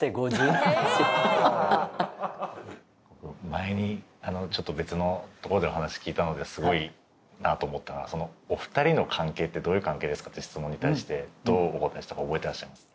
前にちょっと別の所でお話聞いたのですごいなと思ったのが「お二人の関係ってどういう関係ですか？」って質問に対してどうお答えしたか覚えていらっしゃいます？